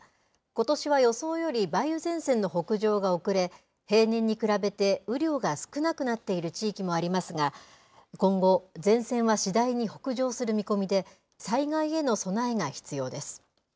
ことしは予想より梅雨前線の北上が遅れ、平年に比べて雨量が少なくなっている地域もありますが、今後、前線は次第に北上する見込みで、災害への備えが必要です。